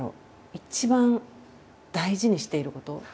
一番大事にしていること。